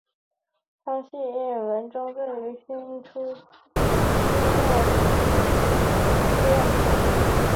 他在认信文中对于新教做出一些让步。